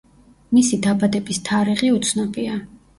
მისი დაბადების თარიღი უცნობია.